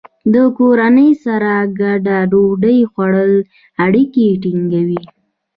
د کورنۍ سره ګډه ډوډۍ خوړل اړیکې ټینګوي.